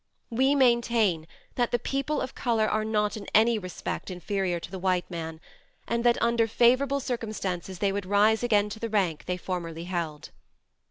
We maintain, that the people of color are not in any respect inferior to the white man, and that under favorable circumstances they would rise again to the rank they formerly held.